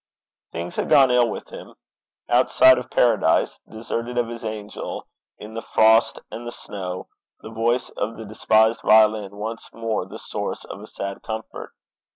Things had gone ill with him. Outside of Paradise, deserted of his angel, in the frost and the snow, the voice of the despised violin once more the source of a sad comfort!